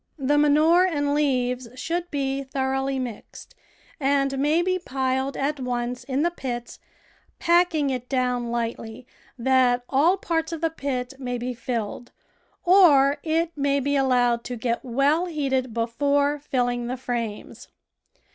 The manure and leaves should be thoroughly mixed, and may be piled at once in the pits, pack ing it down lightly that all parts of the pit may be filled, or it may be allowed to get well heated before filling the frames.